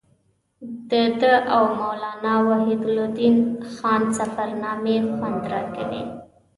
د ده او مولانا وحیدالدین خان سفرنامې خوند راکوي.